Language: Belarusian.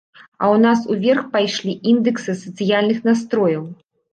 А ў нас уверх пайшлі індэксы сацыяльных настрояў.